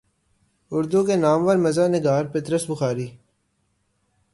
اردو کے نامور مزاح نگار پطرس بخاری